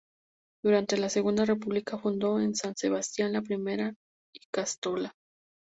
Durante la Segunda República fundó en San sebastián la primera ikastola.